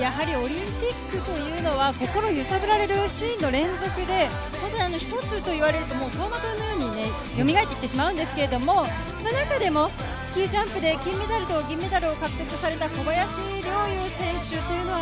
やはりオリンピックというのは心を揺さぶられるシーンの連続で一つと言われると、走馬灯のようによみがえってくるんですが、中でもスキージャンプで金メダルと銀メダルを獲得された小林陵侑選手です。